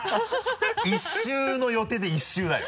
１週の予定で１週だよ。